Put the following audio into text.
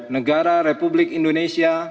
negara republik indonesia